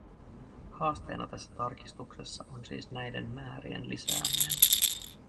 Haasteena tässä tarkistuksessa on siis näiden määrien lisääminen.